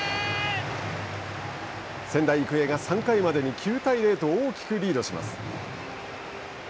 仙台育英が３回までに９対０と大きくリードします。